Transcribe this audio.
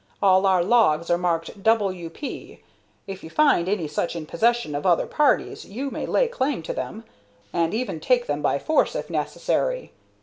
All our logs are marked 'W. P.' If you find any such in possession of other parties, you will lay claim to them, and even take them by force if necessary.